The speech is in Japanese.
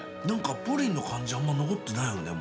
プリンの感じあんま残ってないよね